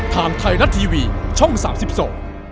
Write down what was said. ทางไทยรัททีวีช่อง๓๐โส